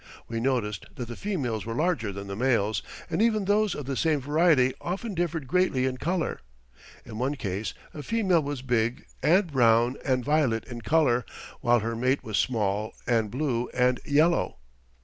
We noticed that the females were larger than the males, and even those of the same variety often differed greatly in colour. In one case a female was big, and brown and violet in colour, while her mate was small, and blue and yellow.